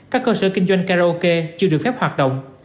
các cơ sở kinh doanh karaoke chưa được phép hoạt động